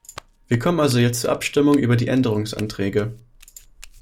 Wir kommen also jetzt zur Abstimmung über die Änderungsanträge.